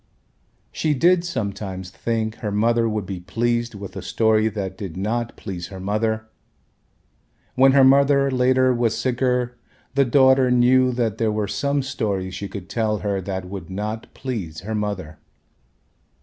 She did sometimes think her mother would be pleased with a story that did not please her mother, when her mother later was sicker the daughter knew that there were some stories she could tell her that would not please her mother.